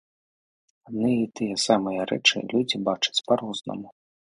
Адны і тыя самыя рэчы людзі бачыць па-рознаму.